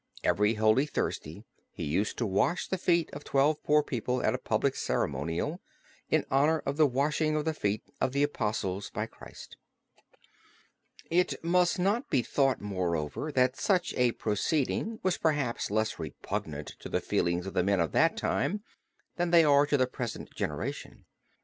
Every Holy Thursday he used to wash the feet of twelve poor people at a public ceremonial, in honor of the washing of the feet of the Apostles by Christ. {opp296} APOSTLE (LA SAINTE CHAPELLE, PARIS) It must not be thought moreover, that such a proceeding was perhaps less repugnant to the feelings of the men of that time than they are to the present generation.